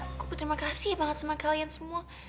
aku berterima kasih banget sama kalian semua